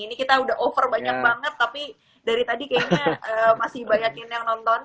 ini kita udah over banyak banget tapi dari tadi kayaknya masih banyakin yang nonton